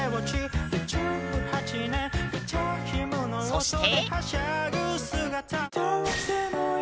そして。